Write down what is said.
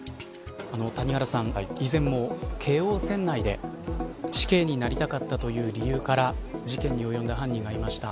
谷原さん、以前も京王線内で死刑になりたかったという理由から事件に及んだ犯人がいました。